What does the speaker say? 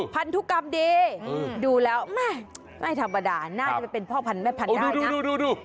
พันธุกรรมดีเออดูแล้วไม่ไม่ธรรมดาน่าจะเป็นพ่อพันธุ์ไม่พันธุ์ได้ดูดูดู